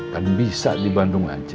kan bisa di bandung aja